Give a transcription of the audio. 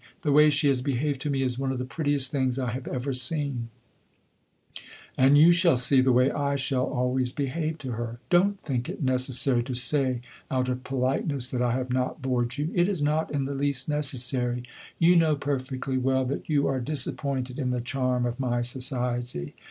The way she has behaved to me is one of the prettiest things I have ever seen, and you shall see the way I shall always behave to her! Don't think it necessary to say out of politeness that I have not bored you; it is not in the least necessary. You know perfectly well that you are disappointed in the charm of my society.